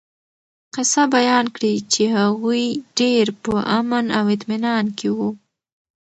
قصّه بيان کړي چې هغوي ډير په امن او اطمنان کي وو